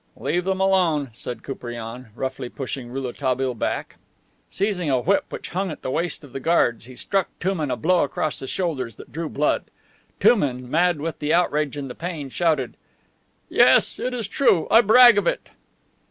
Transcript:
"Leave them alone," said Koupriane, roughly pushing Rouletabille back. Seizing a whip which hung at the waist of the guards he struck Touman a blow across the shoulders that drew blood. Touman, mad with the outrage and the pain, shouted, "Yes, it is true! I brag of it!"